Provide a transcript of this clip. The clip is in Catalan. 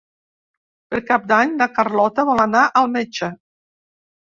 Per Cap d'Any na Carlota vol anar al metge.